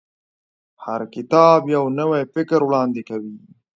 هر کتاب یو نوی فکر وړاندې کوي.